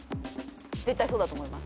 絶対そうだと思います。